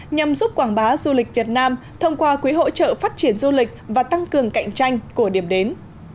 nhằm giúp quảng bá du lịch việt nam thông qua quỹ hỗ trợ phát triển du lịch và tăng cường cạnh tranh của điểm đến